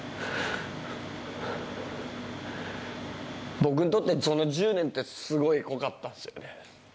僕にとって、その１０年って、すごい濃かったですよね。